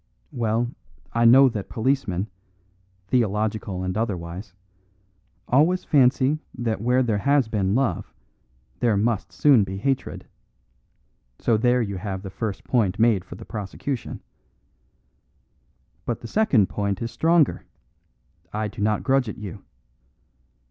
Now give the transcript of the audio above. Well, I know that policemen, theological and otherwise, always fancy that where there has been love there must soon be hatred; so there you have the first point made for the prosecution. But the second point is stronger; I do not grudge it you.